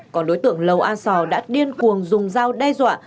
còn đối tượng lầu asia đã điên cuồng dùng dao đe dọa